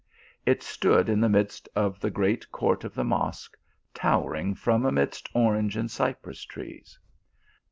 It stood in the midst of the great court of the Mosque, towering from amidst orange and cypress trees.